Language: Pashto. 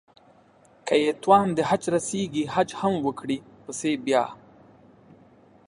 که يې توان د حج رسېږي حج هم وکړي پسې بيا